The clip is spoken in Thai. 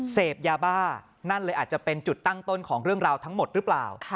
เสพยาบ้านั่นเลยอาจจะเป็นจุดตั้งต้นของเรื่องราวทั้งหมดหรือเปล่า